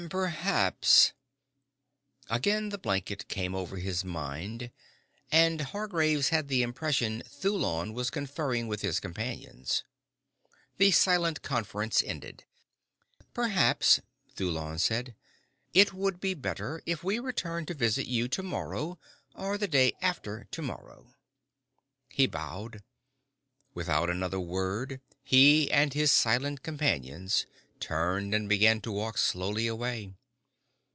"Perhaps " Again the blanket came over his mind and Hargraves had the impression Thulon was conferring with his companions. The silent conference ended. "Perhaps," Thulon said. "It would be better if we returned to visit you tomorrow, or the day after tomorrow." He bowed. Without another word he and his silent companions turned and began to walk slowly away.